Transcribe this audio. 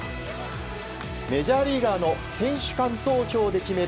メジャーリーガーの選手間投票で決める